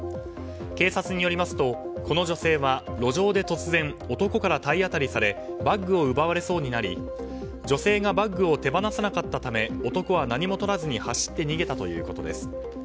警察によりますとこの女性は路上で突然男から体当たりされバッグを奪われそうになり女性がバッグを手放さなかったため男は何も取らずに走って逃げたということです。